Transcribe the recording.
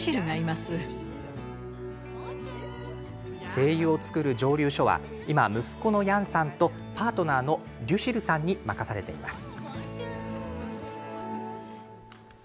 精油を作る蒸留所は今息子のヤンさんとパートナーのリュシルさんに任されています。